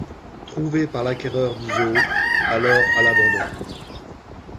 Trouvé par l'acquéreur du zoo, alors à l'abandon.